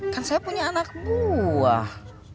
kan saya punya anak buah